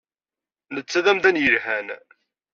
Netta d amdan yelhan.